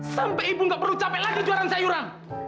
sampai ibu gak perlu capek lagi juaraan sayuran